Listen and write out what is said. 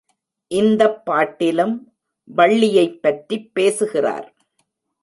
இந்தப் பாட்டிலும் வள்ளியைப் பற்றிப் பேசுகிறார்.